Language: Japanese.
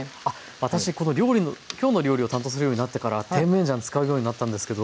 私この「きょうの料理」を担当するようになってから甜麺醤使うようになったんですけど。